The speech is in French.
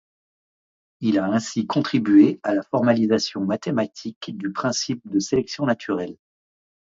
Il a ainsi contribué à la formalisation mathématique du principe de sélection naturelle.